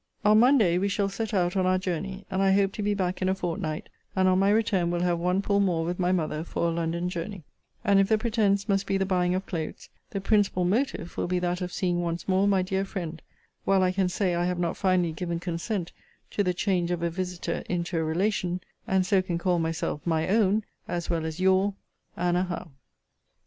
On Monday we shall set out on our journey; and I hope to be back in a fortnight, and on my return will have one pull more with my mother for a London journey: and, if the pretence must be the buying of clothes, the principal motive will be that of seeing once more my dear friend, while I can say I have not finally given consent to the change of a visiter into a relation, and so can call myself MY OWN, as well as Your ANNA HOWE.